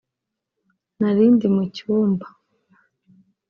nari ndi mu cyumba